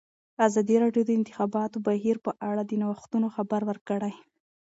ازادي راډیو د د انتخاباتو بهیر په اړه د نوښتونو خبر ورکړی.